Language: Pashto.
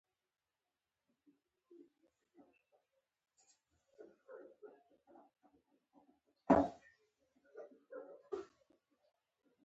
که چېرته روح الله راغی !